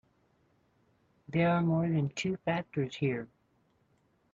There are more than two factors here.